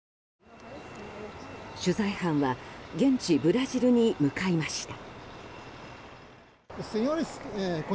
取材班は現地ブラジルに向かいました。